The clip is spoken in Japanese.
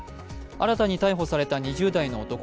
新たに逮捕された２０代の男